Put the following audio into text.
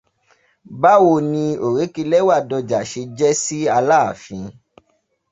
Bá wo ni òrékelẹ́wà Dọjà ṣe jẹ́ sí Aláàfin?